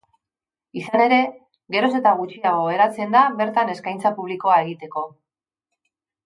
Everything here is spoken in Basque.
Izan ere, geroz eta gutxiago geratzen da bertan eskaintza publikoa egiteko.